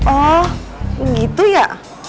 oh gitu ya